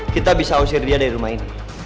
kita bisa usir dia dari rumah ini